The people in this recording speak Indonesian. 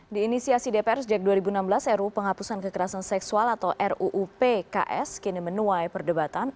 di inisiasi dpr sejak dua ribu enam belas ru penghapusan kekerasan seksual atau ruu pks kini menuai perdebatan